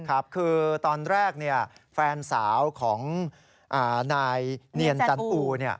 ครับคือตอนแรกแฟนสาวของนายเนียนจันอู